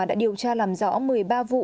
đã điều tra làm rõ một mươi ba vụ